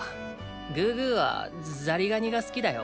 グーグーはザリガニが好きだよ。